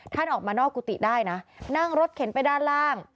ท่านออกมานอกกุฏิได้นะนั่งรถเข็นไปด้านล่าง